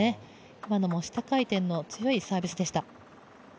今のも下回転の強いサービスでした。